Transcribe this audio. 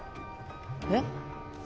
えっ？